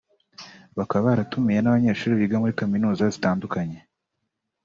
bakaba baratumiye n’abanyeshuri biga muri za kaminuza zitandukanye